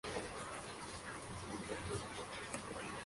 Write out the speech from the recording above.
El infinitivo puede presentarse formando parte de una perífrasis verbal.